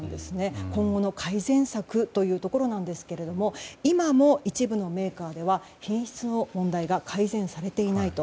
今後の改善策というところなんですけれども今も一部のメーカーでは品質の問題が改善されていないと。